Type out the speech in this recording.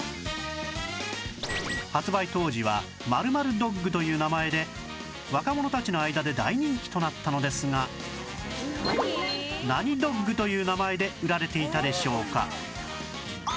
発売当時は○○ドッグという名前で若者たちの間で大人気となったのですが何ドッグという名前で売られていたでしょうか？